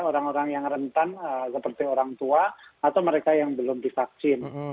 orang orang yang rentan seperti orang tua atau mereka yang belum divaksin